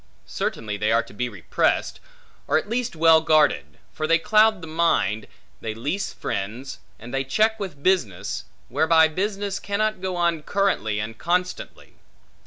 Certainly they are to be repressed, or at least well guarded: for they cloud the mind; they leese friends; and they check with business, whereby business cannot go on currently and constantly.